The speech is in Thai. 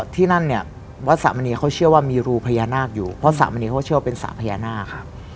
ที่นั่นเนี่ยวัดสะมณีเขาเชื่อว่ามีรูพญานาคอยู่เพราะสระมณีเขาเชื่อว่าเป็นสระพญานาคครับ